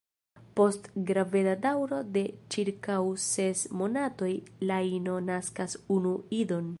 Post graveda daŭro de ĉirkaŭ ses monatoj la ino naskas unu idon.